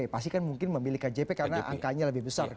pasti kan mungkin memilih kjp karena angkanya lebih besar